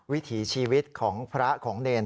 วิถีชีวิตของพระของเนร